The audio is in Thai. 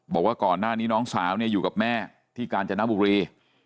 บอกว่าก่อนหน้านี้น้องสาวอยู่กับแม่ที่กาญจนบุรี